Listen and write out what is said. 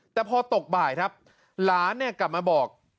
แต่พอตกบ่ายครับหลานเนี่ยกลับมาบอก